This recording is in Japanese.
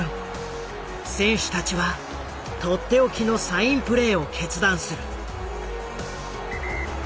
選手たちは取って置きのサインプレーを決断する。